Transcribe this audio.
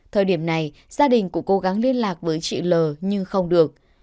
thời điểm này gia đình của cố gắng liên lạc với chị l nhưng không được